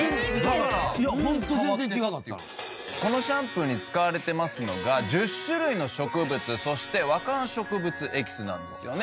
このシャンプーに使われていますのが１０種類の植物そして和漢植物エキスなんですよね。